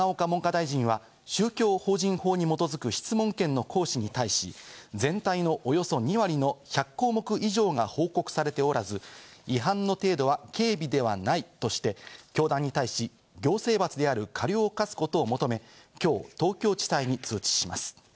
永岡文科大臣は、宗教法人法に基づく質問権の行使に対し、全体のおよそ２割の１００項目以上が報告されておらず、違反の程度は軽微ではないとして、教団に対し、行政罰である過料を科すことを求め、きょう東京地裁に通知します。